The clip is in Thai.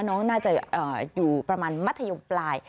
น้องน่าจะอยู่ประมาณมัธยมปลาย